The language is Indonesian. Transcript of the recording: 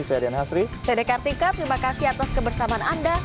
saya rian hasri saya dekat tika terima kasih atas kebersamaan anda